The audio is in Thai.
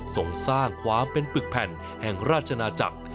ส่งสร้างความเป็นปึกแผ่นแห่งราชนาจักร